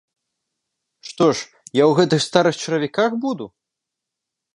Што ж, я ў гэтых старых чаравіках буду?